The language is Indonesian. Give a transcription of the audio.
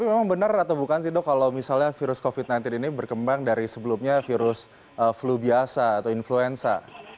memang benar atau bukan sih dok kalau misalnya virus covid sembilan belas ini berkembang dari sebelumnya virus flu biasa atau influenza